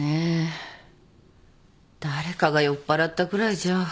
誰かが酔っぱらったくらいじゃ。